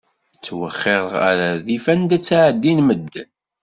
Ttwexxir ɣer rrif anda ttɛeddin medden.